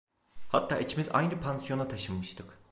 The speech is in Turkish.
Hatta ikimiz aynı pansiyona taşınmıştık.